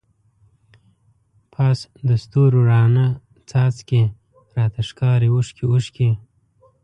پاس د ستورو راڼه څاڅکی، راته ښکاری اوښکی اوښکی